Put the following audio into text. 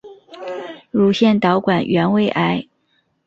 乳腺导管原位癌。